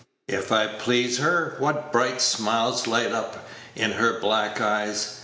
If I please her, what bright smiles light up in her black eyes!